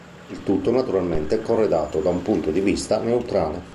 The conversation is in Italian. Il tutto naturalmente corredato da un punto di vista neutrale.